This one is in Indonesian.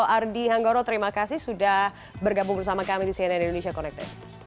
ardi hanggoro terima kasih sudah bergabung bersama kami di cnn indonesia connected